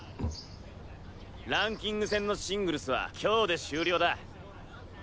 ランキング戦のシングルスは今日で終了だ。